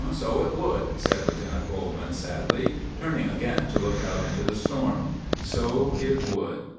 "So it would," said Lieutenant Coleman, sadly, turning again to look out into the storm "so it would."